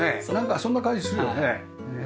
なんかそんな感じするよね。